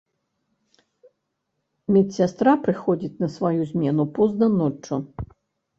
Медсястра прыходзіць на сваю змену позна ноччу.